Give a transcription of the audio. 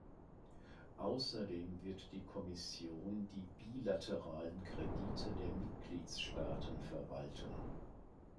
Außerdem wird die Kommission die bilateralen Kredite der Mitgliedsstaaten verwalten.